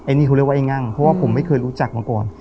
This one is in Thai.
อันนี้เขาเรียกว่าไอ้งั่งเพราะว่าผมไม่เคยรู้จักมาก่อน